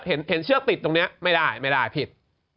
เชือกติดตรงนี้ไม่ได้ไม่ได้ผิด